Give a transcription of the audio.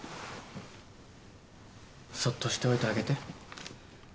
そっとしておいてあげて。